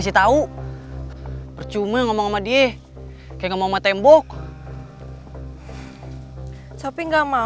kita pelihara ayamnya tidak sedikit